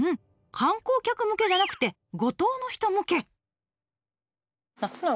観光客向けじゃなくて五島の人向け？